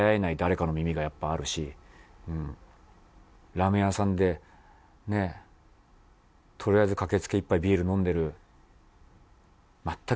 ラーメン屋さんでねとりあえず駆け付け１杯ビール飲んでる。